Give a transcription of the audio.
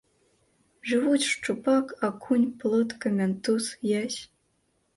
Жывуць шчупак, акунь, плотка, мянтуз, язь.